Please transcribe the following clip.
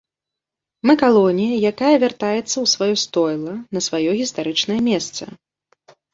Мы калонія, якая вяртаецца ў сваё стойла, на сваё гістарычнае месца.